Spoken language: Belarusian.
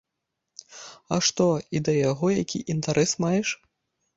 А што, і да яго які інтарэс маеш?